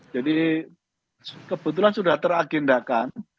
jadi kebetulan sudah teragendakan